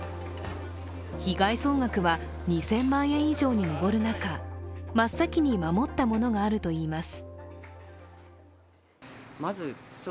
被害総額は２０００万円以上に上る中、真っ先に守ったものがあるといいます。